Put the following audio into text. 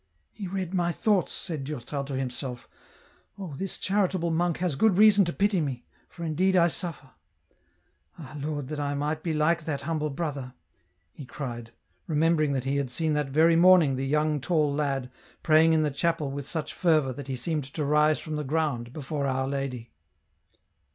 " He read my thoughts," said Durtal to himself. " Oh, this charitable monk has good reason to pity me, for indeed I suffer. Ah, Lord, that I might be like that humble brother !" he cried, remembering that he had seen that very morning the young tall lad, praying in the chapel with such fervour that he seemed to rise from the ground, before Our Lady.